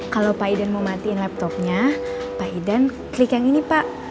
kalau pak hidan mau matiin laptopnya pak hidan klik yang ini pak